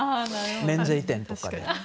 免税店とかで。